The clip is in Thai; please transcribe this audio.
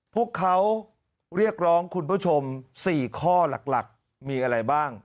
พวกเขาเรียกร้องคุณผู้ชม๔ข้อหลักมีอะไรบ้าง